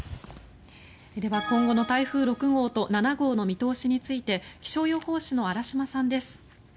では、今後の台風６号と７号の見通しについて気象予報士の荒嶋さんです。